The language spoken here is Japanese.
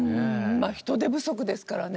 人手不足ですからね。